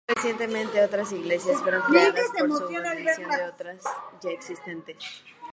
Más recientemente otras Iglesias fueron creadas por subdivisión de otras ya existentes.